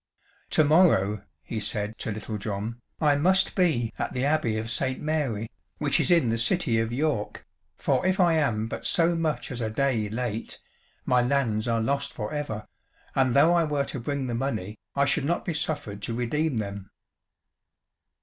"To morrow," he said to Little John, "I must be at the Abbey of St. Mary, which is in the city of York, for if I am but so much as a day late my lands are lost for ever, and though I were to bring the money I should not be suffered to redeem them."